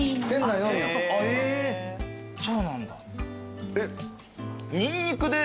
そうなんだ。